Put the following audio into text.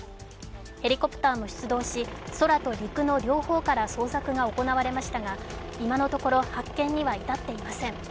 ヘリコプターも出動し、空と陸の両方から捜索が行われましたが、今のところ発見には至っていません。